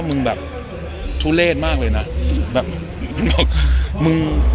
แรงบันดาลใจคือ